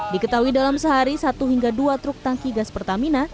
diketahui dalam sehari satu hingga dua truk tangki gas pertamina